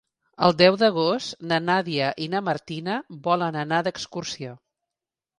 El deu d'agost na Nàdia i na Martina volen anar d'excursió.